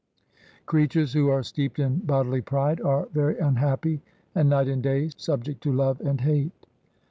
Creatures who are steeped in bodily pride are very unhappy, and night and day subject to love and hate.